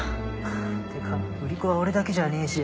ってか売り子は俺だけじゃねえし。